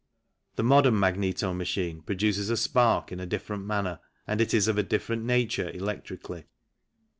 The modern magneto machine produces a spark in a different manner and it is of a different nature electrically.